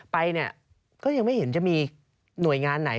ไปเนี่ยก็ยังไม่เห็นจะมีหน่วยงานไหน